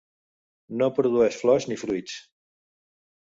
No produeix flors ni fruits.